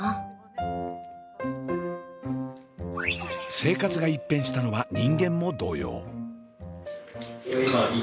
生活が一変したのは人間も同様。